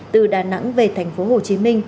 từ đà nẵng về tp hồ chí minh